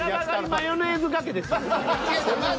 マヨネーズがけですやん。